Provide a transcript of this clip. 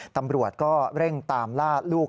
ตำรวจก็เร่งตามล่าลูก